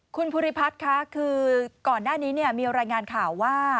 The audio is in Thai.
คุณภูริพัฒน์ค่ะคือก่อนหน้านี้มีรายงานข่าวว่า